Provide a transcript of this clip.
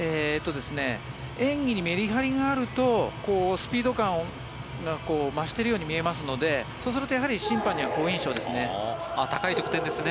演技にメリハリがあるとスピード感が増してるように見えますのでそうすると審判には好印象ですね。